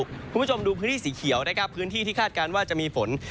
คุณผู้ชมดูพื้นที่สีเขียวนะครับพื้นที่ที่คาดการณ์ว่าจะมีฝน